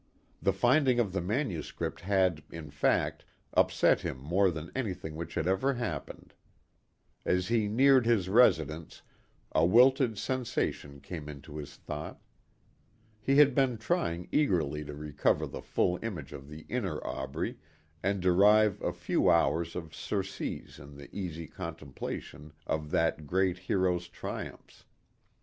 The finding of the manuscript had, in fact, upset him more than anything which had ever happened. As he neared his residence a wilted sensation came into his thought. He had been trying eagerly to recover the full image of the inner Aubrey and derive a few hours of surcease in the easy contemplation of that great hero's triumphs.